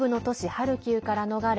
ハルキウから逃れ